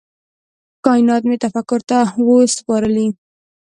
کائینات مي تفکر ته وه سپارلي